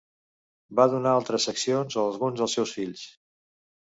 Va donar altres seccions a alguns del seus fills.